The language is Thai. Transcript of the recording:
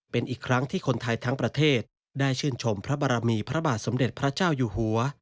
เป็นอีกครั้งที่คนไทยทั้งประเทศได้ชื่นชมพระบารมีพระบาทสมเด็จพระเจ้าอยู่หัว